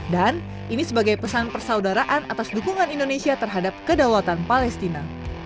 dan ini sebagai pesan persaudaraan atas dukungan indonesia terhadap kedawatan palestina